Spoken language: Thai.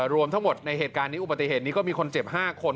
รวมทั้งหมดในเหตุการณ์นี้อุบัติเหตุนี้ก็มีคนเจ็บ๕คน